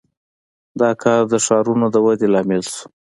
• دا کار د ښارونو د ودې لامل شو.